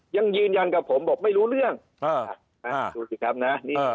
ยังยืนยันกับผมบอกไม่รู้เรื่องดูสิครับนะ